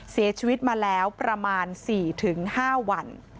เสียชีวิตมาแล้วประมาณสี่ถึงห้าวัน